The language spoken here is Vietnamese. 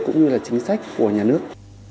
cũng như là chính sách của nhà nước